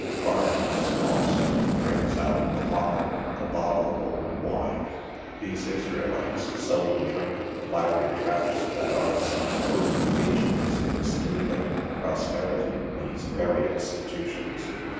Barney, as an offset, brings out of a locker a bottle of old wine ; these Isrealites seldom drinii of the fiery draughts that are such potent agents in stimulating the prosperity of these very insti tutions.